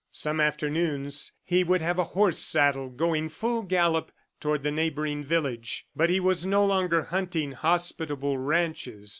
Some afternoons, he would have a horse saddled, going full gallop toward the neighboring village. But he was no longer hunting hospitable ranches.